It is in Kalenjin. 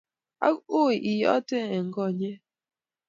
Ak uu iyeto eny koonyek